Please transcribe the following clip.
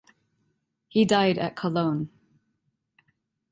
He died at Cologne.